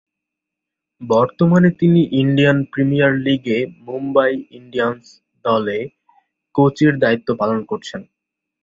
বর্তমানে তিনি Indian Premier লীগে মুম্বই ইন্ডিয়ান্স দলে কোচের দায়িত্ব পালন করছেন।